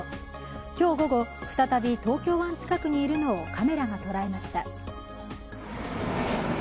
今日午後、再び東京湾近くにいるのをカメラがとらえました。